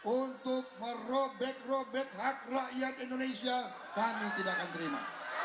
untuk merobek robek hak rakyat indonesia kami tidak akan terima